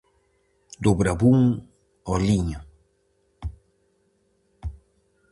Do bravún ao liño.